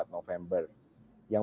dua puluh empat november yang